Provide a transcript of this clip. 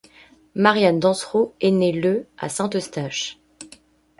Marianne Dansereau est née le à Saint-Eustache.